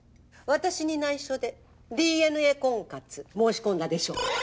私に内緒でＤＮＡ婚活申し込んだでしょ？